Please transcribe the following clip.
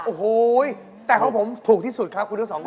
โอ้โหแต่ของผมถูกที่สุดครับคุณทั้งสองคน